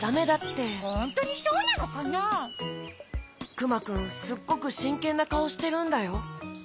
クマくんすっごくしんけんなかおしてるんだよ？